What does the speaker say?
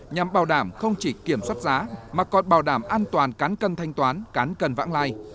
nhằm bảo đảm không chỉ kiểm soát giá mà còn bảo đảm an toàn cán cân thanh toán cán cân vãng lai